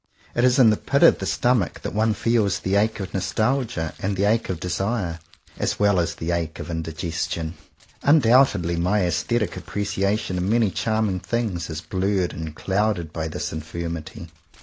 It is in the pit of the stomach that one feels the ache of nostalgia and the ache of desire, as well as the ache of indigestion. Un doubtedly my aesthetic appreciation of many charming things is blurred and cloud ed by this infirmity.